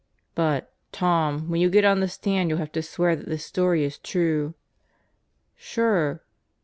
"But, Tom, when you get on the stand you'll have to swear that this story is true." "Sure